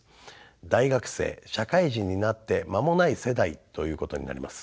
大学生社会人になって間もない世代ということになります。